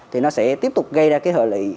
thì nó sẽ tiếp tục gây ra cái hợi lị